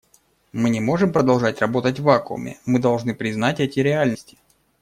Мы не можем продолжать работать в вакууме; мы должны признать эти реальности.